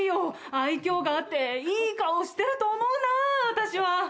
愛嬌があっていい顔してると思うなぁ私は。